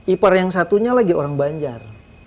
ipar yang satunya lagi orang banjar